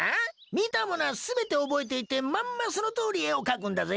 見たものは全て覚えていてまんまそのとおり絵を描くんだぜ？